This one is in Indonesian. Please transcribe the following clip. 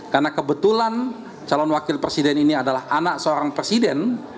karena kebetulan calon wakil presiden ini adalah anak seorang presiden